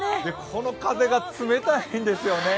この風が冷たいんですよね。